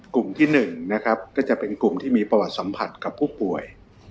กลุ่มที่๑นะครับก็จะเป็นกลุ่มที่มีประวัติสัมผัสกับผู้ป่วย